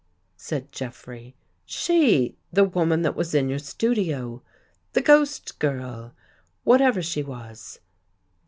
" said Jeffrey. "She — the woman that was In your studio? The ghost girl — whatever she was?